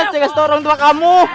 coba kasih tau orang tua kamu